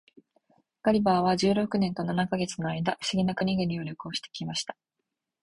ガリバーは十六年と七ヵ月の間、不思議な国々を旅行して来ました。